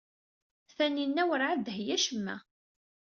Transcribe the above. Taninna werɛad d-theyya acemma.